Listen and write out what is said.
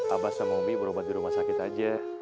abah sama umi berobat di rumah sakit aja